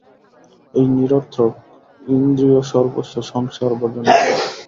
এই নিরর্থক ইন্দ্রিয়সর্বস্ব সংসার বর্জন কর।